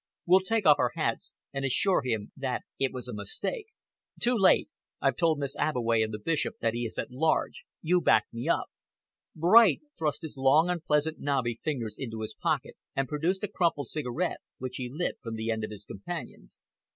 We'll take off our hats, and assure him that it was a mistake." "Too late. I've told Miss Abbeway and the Bishop that he is at large. You backed me up." Bright thrust his long, unpleasant, knobby fingers into his pocket, and produced a crumpled cigarette, which he lit from the end of his companion's.